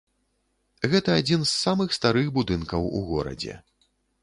Гэта адзін з самых старых будынкаў у горадзе.